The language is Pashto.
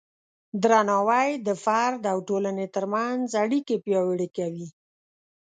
درناوی د فرد او ټولنې ترمنځ اړیکې پیاوړې کوي.